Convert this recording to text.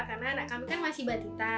karena anak kami kan masih batita